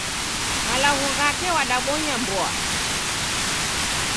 Malagho ghake wadabonya mboa.